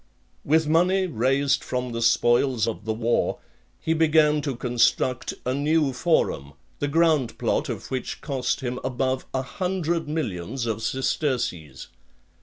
With money raised from the spoils of the war, he began to construct a new forum, the ground plot of which cost him above a hundred millions of sesterces .